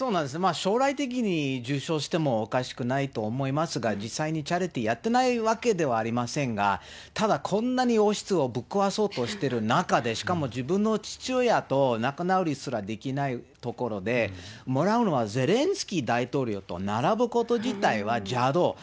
将来的に受賞してもおかしくないと思いますが、実際にチャリティーやってないわけではありませんが、ただ、こんなに王室をぶっ壊そうとしてる中で、しかも自分の父親と仲直りすらできないところで、もらうのは、ゼレンスキー大統領と並ぶこと自体は邪道。